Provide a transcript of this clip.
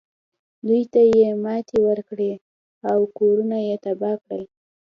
دوی ته یې ماتې ورکړه او کورونه یې تباه کړل.